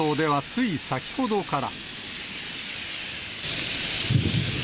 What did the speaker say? そして、その関東ではつい先ほどから。